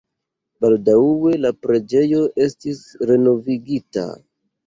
Baldaŭe la preĝejo estis renovigita.